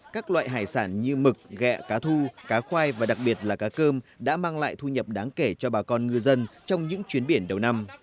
các loại hải sản như mực gẹ cá thu cá khoai và đặc biệt là cá cơm đã mang lại thu nhập đáng kể cho bà con ngư dân trong những chuyến biển đầu năm